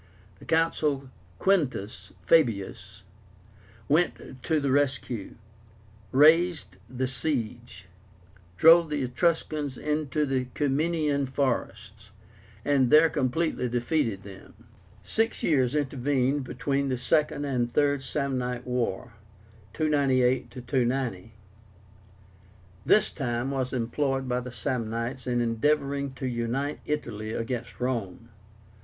The Consul Quintus Fabius went to the rescue, raised the siege, drove the Etruscans into the Ciminian forests, and there completely defeated them. Six years intervened between the Second and the THIRD SAMNITE WAR (298 290). This time was employed by the Samnites in endeavoring to unite Italy against Rome.